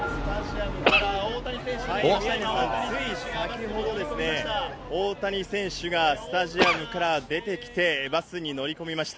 つい先ほど、大谷選手がスタジアムから出てきて、バスに乗り込みました。